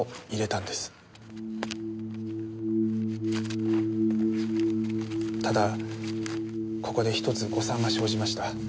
ただここで１つ誤算が生じました。